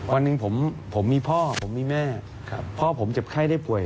วันหนึ่งผมมีพ่อผมมีแม่พ่อผมเจ็บไข้ได้ป่วย